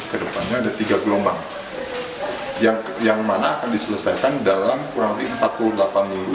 kedepannya ada tiga gelombang yang mana akan diselesaikan dalam kurang lebih empat puluh delapan minggu